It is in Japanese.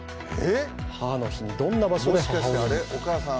母の日に、どんな場所で母親に？